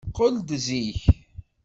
Qqel-d zik!